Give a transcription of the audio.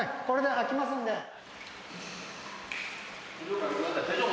これで開きますんで。